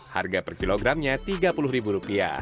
harga per kilogramnya rp tiga puluh